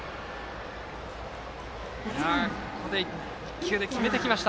ここで１球で決めてきました。